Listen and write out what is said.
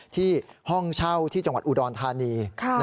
ที่ห้องเช่าที่จังหวัดอุดรธานี